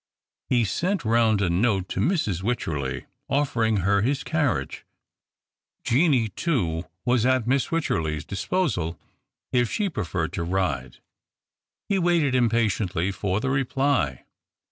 He sent round a note to ]\Irs. Wycherley, offerinor her his carriao;e. Jeannie, too, was at Miss Wycherley 's disposal if she preferred to ride. He waited impatiently for the reply.